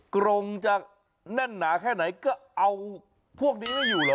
กรงจะแน่นหนาแค่ไหนก็เอาพวกนี้ไม่อยู่เหรอ